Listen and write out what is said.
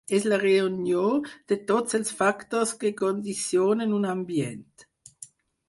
És la reunió de tots els factors que condicionen un ambient.